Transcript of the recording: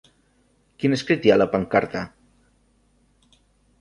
Quin escrit hi ha a la pancarta?